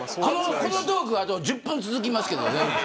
このトークあと１０分続きますけど。